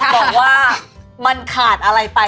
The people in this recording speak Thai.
บอกว่ามันขาดอะไรไป